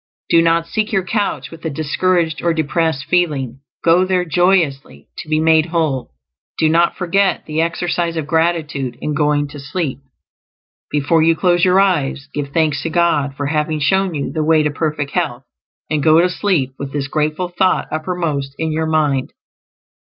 Do not seek your couch with a discouraged or depressed feeling; go there joyously, to be made whole. Do not forget the exercise of gratitude in going to sleep; before you close your eyes, give thanks to God for having shown you the way to perfect health, and go to sleep with this grateful thought uppermost in your mind.